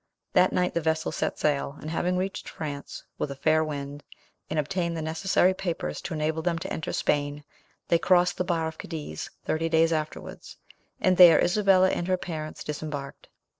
That night the vessel set sail, and having reached France with a fair wind, and obtained the necessary papers to enable them to enter Spain, they crossed the bar of Cadiz thirty days afterwards, and there Isabella and her parents disembarked.